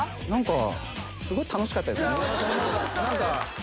何かすごい楽しかったですね。